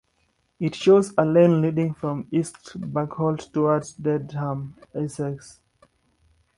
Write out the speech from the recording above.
It shows a lane leading from East Bergholt towards Dedham, Essex.